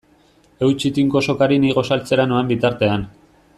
Eutsi tinko sokari ni gosaltzera noan bitartean.